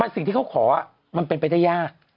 สิ่งที่เขาขอมันเป็นไปได้ยาก